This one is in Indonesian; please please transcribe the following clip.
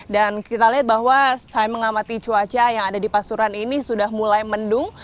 dan kita lihat bahwa saya mengamati cuaca yang ada di pasuran ini sudah mulai mendung